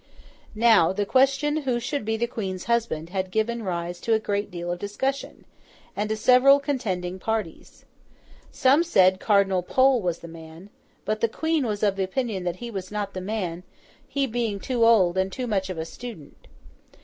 Now, the question who should be the Queen's husband had given rise to a great deal of discussion, and to several contending parties. Some said Cardinal Pole was the man—but the Queen was of opinion that he was not the man, he being too old and too much of a student.